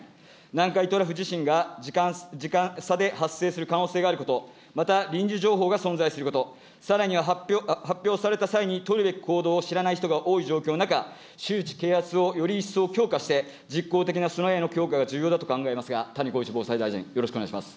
南海トラフ地震が、時間差で発生する可能性があること、また臨時情報が存在すること、さらには発表された際に取るべき行動を知らない人が多い状況の中、周知・啓発をより一層強化して、実効的な備えへの強化が重要だと考えますが、谷公一防災大臣、よろしくお願いします。